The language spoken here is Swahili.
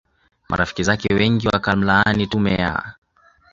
marafiki zake wengi wakamlaani tume ya